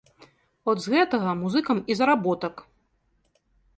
От з гэтага музыкам і заработак.